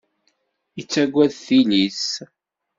Ittagad tili-s.